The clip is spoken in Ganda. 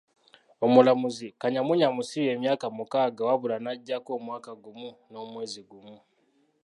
Omulamuzi, Kanyamunyu amusibye emyaka mukaaga wabula n'aggyako omwaka gumu n'omwezi gumu .